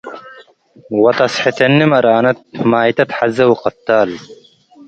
ወተስሕተኒ መራነት - ማይታ ተሐዜ ወቅታል